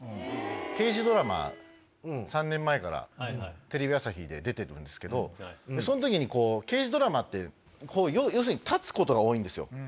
刑事ドラマ３年前からテレビ朝日で出てるんですけどその時に刑事ドラマって要するに立つことが多いんですよ。